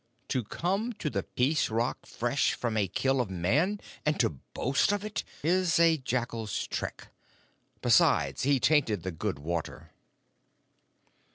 To come to the Peace Rock fresh from a kill of Man and to boast of it is a jackal's trick. Besides, he tainted the good water."